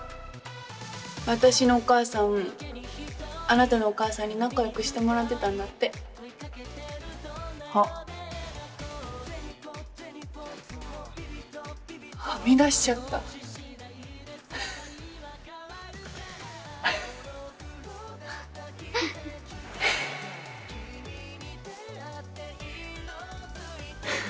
私のお母さんあなたのお母さんに仲良くしてもらってたんだってあっはみ出しちゃったフフフフ。